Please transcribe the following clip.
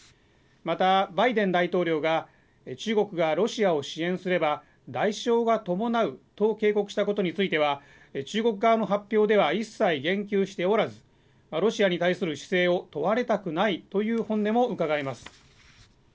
また、バイデン大統領が、中国がロシアを支援すれば、代償が伴うと警告したことについては、中国側の発表では一切言及しておらず、ロシアに対する姿勢を問われたくないという本音もうかがえます。